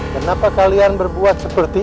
kenapa kalian berbuat seperti